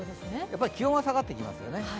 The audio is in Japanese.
やはり気温は下がってきますよね。